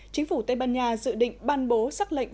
chính phủ tây ban nha dự định ban bố xác lệnh